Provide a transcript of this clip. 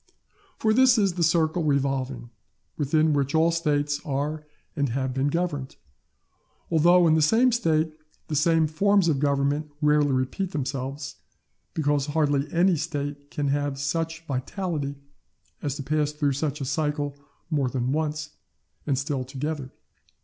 For this is the circle revolving within which all States are and have been governed; although in the same State the same forms of Government rarely repeat themselves, because hardly any State can have such vitality as to pass through such a cycle more than once, and still together.